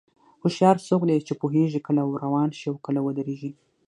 هوښیار څوک دی چې پوهېږي کله روان شي او کله ودرېږي.